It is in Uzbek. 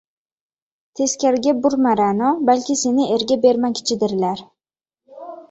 –Teskariga burma, Ra’no, balki seni erga bermakchidirlar?